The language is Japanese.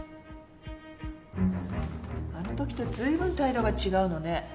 あのときと随分態度が違うのね。